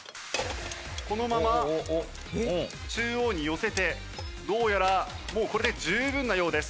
このまま中央に寄せてどうやらもうこれで十分なようです。